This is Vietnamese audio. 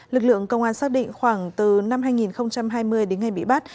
lực lượng công an xác định khoảng từ năm hai nghìn hai mươi đến ngày bị bắt